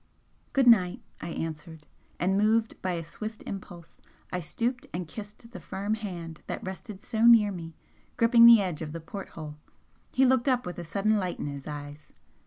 "Good night!" I answered, and moved by a swift impulse, I stooped and kissed the firm hand that rested so near me, gripping the edge of the port hole. He looked up with a sudden light in his eyes.